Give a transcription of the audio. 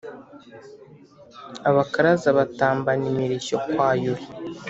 abakaraza batambana imirishyo kwa yuhi.